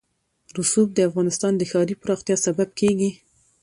رسوب د افغانستان د ښاري پراختیا سبب کېږي.